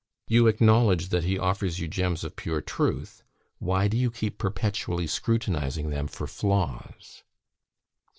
You acknowledge that he offers you gems of pure truth; why do you keep perpetually scrutinising them for flaws?